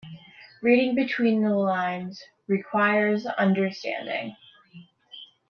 Reading between the lines requires understanding.